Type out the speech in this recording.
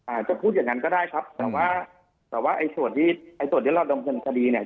อาจจะพูดอย่างนั้นก็ได้ครับแต่ว่าแต่ว่าไอ้ส่วนที่ไอ้ส่วนที่เราดำเนินคดีเนี่ย